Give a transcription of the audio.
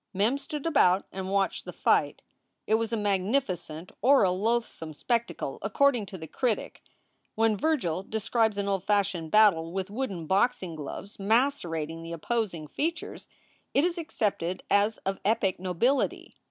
* Men stood about and watched the fight. It was a magnificent or a loathsome spectacle, according to the critic. When Vergil describes an old fashioned battle with wooden boxing gloves macerating the opposing features, it is accepted as of epic nobility.